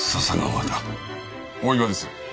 大岩です。